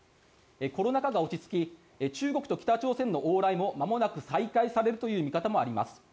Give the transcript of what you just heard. コロナ禍が落ち着き中国と北朝鮮の往来もまもなく再開されるという見方もあります。